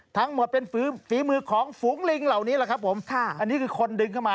ทั้งหมดเป็นฝีมือของฝูงลิงเหล่านี้แหละครับผมค่ะอันนี้คือคนดึงเข้ามา